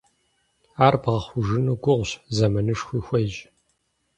Ар бгъэхъужыну гугъущ, зэманышхуи хуейщ.